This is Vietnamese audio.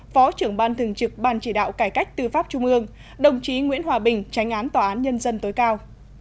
phó trưởng ban thường trực ban chỉ đạo cải cách tư pháp trung ương đồng chí nguyễn hòa bình tránh án tòa án nhân dân tối cao